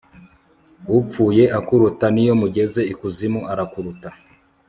upfuye akuruta niyo mugeze ikuzimu arakuruta